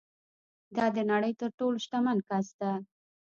دا د نړۍ تر ټولو شتمن کس ده